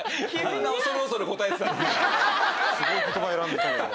すごい言葉選んでたのに。